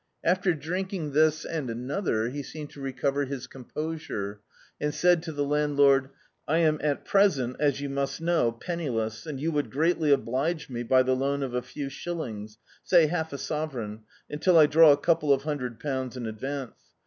After drinking this, and another, he seemed to re* cover his composure, and said to the landlord — "I am at present, as you must know, penniless, and you would greatly oblige me by the loan of a few shillings, say half a sovereign until I draw a couple of hundred pounds In advance.